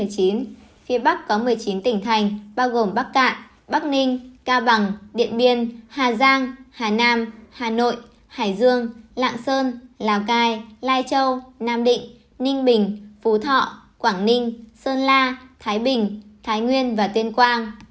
phía bắc có một mươi chín tỉnh thành bao gồm bắc cạn bắc ninh cao bằng điện biên hà giang hà nam hà nội hải dương lạng sơn lào cai lai châu nam định ninh bình phú thọ quảng ninh sơn la thái bình thái nguyên và tuyên quang